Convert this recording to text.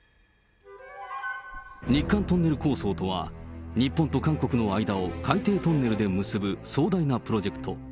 日韓トンネル構想とは、日本と韓国の間を海底トンネルで結ぶ壮大なプロジェクト。